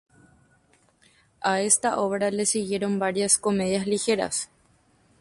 A esta obra le siguieron varias comedias ligeras.